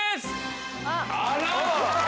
あら！